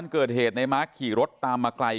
เกิดเหตุในมาร์คขี่รถตามมาไกล